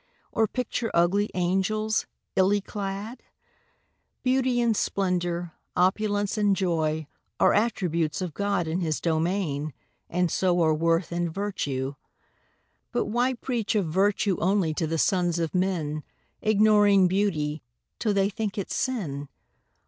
Or picture ugly angels, illy clad? Beauty and splendour, opulence and joy, Are attributes of God and His domain, And so are worth and virtue. But why preach Of virtue only to the sons of men, Ignoring beauty, till they think it sin?